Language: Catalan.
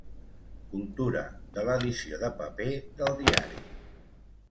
Cultura de l'edició de paper del diari.